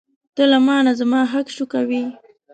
ته له مانه زما حق شوکوې.